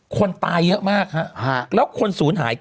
คนตายเยอะมากฮะแล้วคนศูนย์หาย